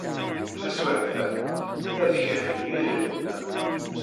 Taswiɛt-a, ad d-kafin yedrimen-a.